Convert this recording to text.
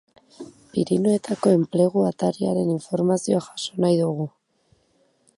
Pirinioetako Enplegu Atariaren informazioa jaso nahi dugu.